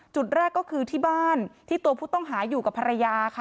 จุดแรกก็คือที่บ้านที่ตัวผู้ต้องหาอยู่กับภรรยาค่ะ